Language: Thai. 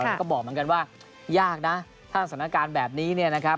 เราก็บอกเหมือนกันว่ายากนะทางสถานการณ์แบบนี้